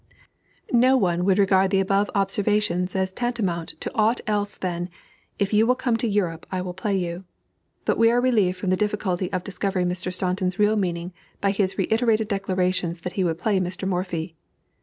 No one would regard the above observations as tantamount to aught else than "If you will come to Europe I will play you;" but we are relieved from the difficulty of discovering Mr. Staunton's real meaning by his reiterated declarations that he would play Mr. Morphy.